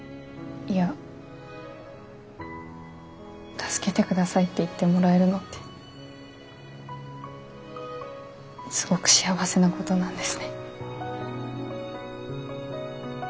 助けてくださいって言ってもらえるのってすごく幸せなことなんですね。